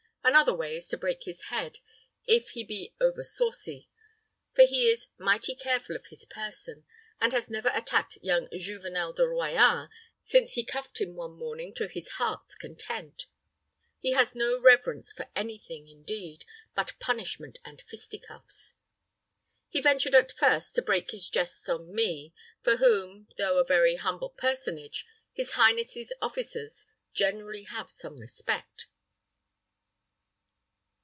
Another way is to break his head, if he be over saucy, for he is mighty careful of his person, and has never attacked young Juvenel de Royans since he cuffed him one morning to his heart's content. He has no reverence for any thing, indeed, but punishment and fisticuffs. He ventured at first to break his jests on me, for whom, though a very humble personage, his highness's officers generally have some respect."